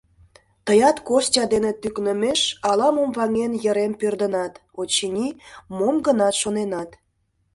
Тыят, Костя дене тӱкнымеш, ала-мом ваҥен йырем пӧрдынат, очыни, мом-гынат шоненат.